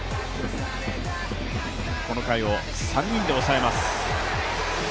この回を３人で抑えます。